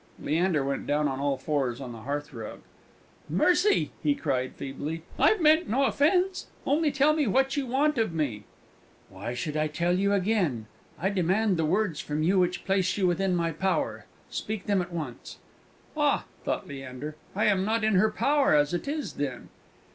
Leander went down on all fours on the hearthrug. "Mercy!" he cried, feebly. "I've meant no offence. Only tell me what you want of me." [Illustration: LEANDER WENT DOWN ON ALL FOURS ON THE HEARTH RUG.] "Why should I tell you again? I demand the words from you which place you within my power: speak them at once!" ("Ah," thought Leander, "I am not in her power as it is, then.")